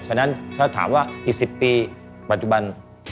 ฉะนั้นถ้าถามว่าอีก๑๐ปีปัจจุบัน